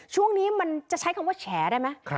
ช่วงนี้มันจะใช้คำว่าแฉได้ไหม